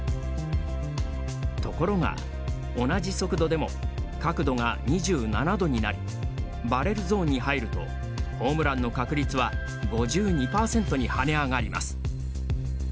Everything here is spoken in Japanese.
ところが同じ速度でも角度が２７度になりバレルゾーンに入るとホームランの確率は５２％に跳ね上がります。